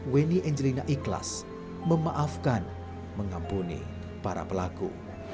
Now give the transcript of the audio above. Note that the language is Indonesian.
wenny angelina ikhlas memaafkan mengampuni para pelaku